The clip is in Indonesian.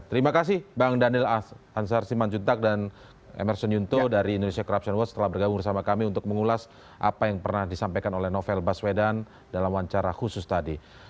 terima kasih bang daniel ansar simanjuntak dan emerson yunto dari indonesia corruption watch telah bergabung bersama kami untuk mengulas apa yang pernah disampaikan oleh novel baswedan dalam wawancara khusus tadi